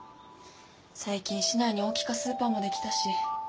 最近市内に大きかスーパーもできたし小さか